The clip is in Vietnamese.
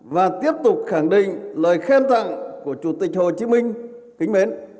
và tiếp tục khẳng định lời khen thẳng của chủ tịch hồ chí minh